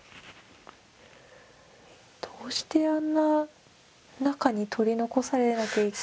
どうしてあんな中に取り残されなきゃいけないのか。